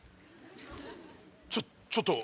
ちょっちょっと！